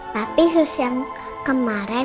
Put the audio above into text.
tapi sus yang kemarin